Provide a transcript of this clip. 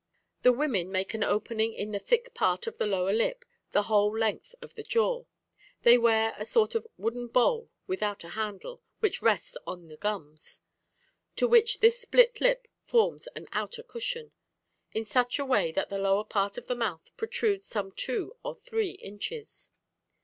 The women make an opening in the thick part of the lower lip, the whole length of the jaw. They wear a sort of wooden bowl without a handle, which rests on the gums, "to which this split lip forms an outer cushion, in such a way that the lower part of the mouth protrudes some two or three inches."